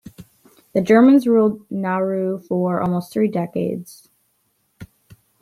The Germans ruled Nauru for almost three decades.